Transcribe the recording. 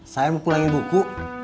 saya mau pulangin buku